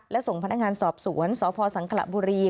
และส่งพนักงานสอบสวนสพสังขระบุรี